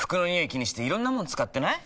気にしていろんなもの使ってない？